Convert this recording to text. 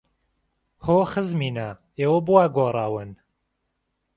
هۆ خزمینە، ئێوە بۆ وا گۆڕاون!